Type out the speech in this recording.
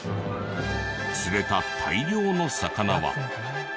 釣れた大量の魚は。